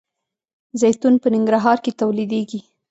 زیتون په ننګرهار کې تولیدیږي.